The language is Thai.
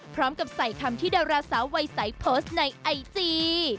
พร้อมกับใส่คำที่ดาราสาววัยใสโพสต์ในไอจี